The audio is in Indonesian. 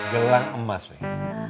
gelang emas weh